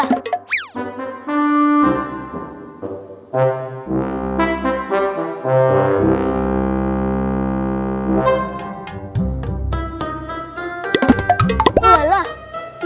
apa yang melukandenginya